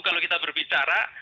kalau kita berbicara